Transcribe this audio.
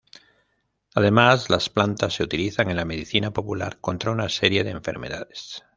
Además, las plantas se utilizan en la medicina popular contra una serie de enfermedades.